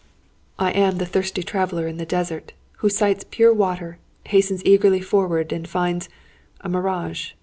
I am the thirsty traveller in the desert, who sights pure water, hastens eagerly forward, and finds a mirage!